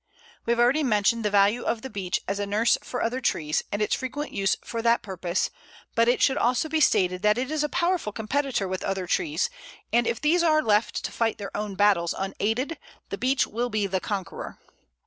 We have already mentioned the value of the Beech as a nurse for other trees, and its frequent use for that purpose, but it should also be stated that it is a powerful competitor with other trees, and if these are left to fight their own battles unaided, the Beech will be the conqueror.